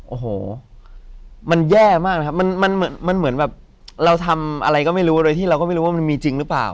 โอ้โหมันแย่มากนะครับมันเหมือนมันเหมือนแบบเราทำอะไรก็ไม่รู้โดยที่เราก็ไม่รู้ว่ามันมีจริงหรือเปล่า